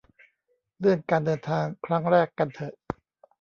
เลื่อนการเดินทางครั้งแรกกันเถอะ